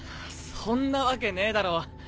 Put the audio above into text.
そんなわけねえだろ。